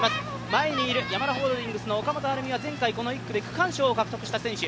前にいるヤマダホールディングスの岡本春美は前回この１区で区間賞を獲得した選手。